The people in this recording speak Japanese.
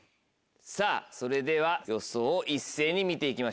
さぁそれでは予想を一斉に見て行きましょう。